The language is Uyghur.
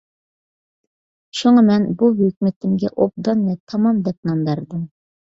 شۇڭا، مەن بۇ ھۆكمىتىمگە «ئوبدان ۋە تامام» دەپ نام بەردىم.